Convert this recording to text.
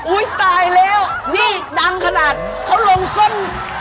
ตายแล้วนี่ดังขนาดเขาลงส้น